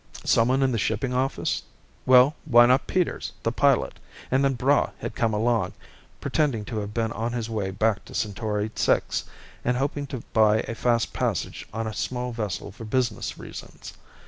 Someone in the shipping office? Well, why not Peters, the pilot? And then Braigh had come along, pretending to have been on his way back to Centauri VI and hoping to buy a fast passage on a small vessel for business reasons.